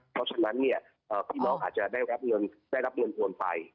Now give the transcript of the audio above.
เพราะฉะนั้นเนี่ยพี่น้องอาจจะได้รับเงินโอนไป